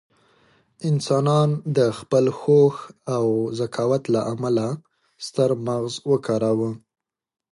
انسانان د خپل هوښ او ذکاوت له امله ستر مغز وکاروه.